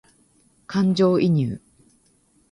感情移入